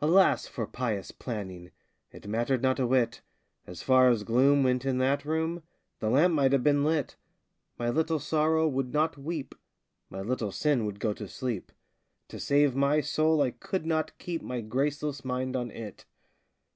Alas for pious planning It mattered not a whit! As far as gloom went in that room, The lamp might have been lit! My little Sorrow would not weep, My little Sin would go to sleep To save my soul I could not keep My graceless mind on it!